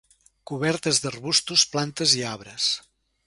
Cobertes d'arbustos, plantes i arbres.